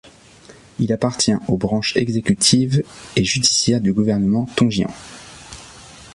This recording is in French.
Il appartient aux branches exécutive et judiciaire du gouvernement tongien.